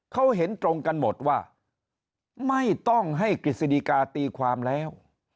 เขาเห็นตรงกันหมดว่าไม่ต้องให้กฤษฎิกาตีความแล้ว